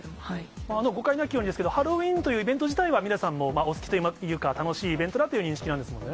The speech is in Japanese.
誤解なきようになんですけれども、ハロウィーンというイベント自体は、ミラさんもお好きというか、楽しいイベントだという認識なんですよね。